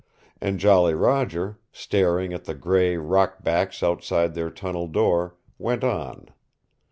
And Jolly Roger, staring at the gray rock backs outside their tunnel door, went on.